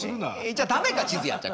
じゃ駄目か地図やっちゃ。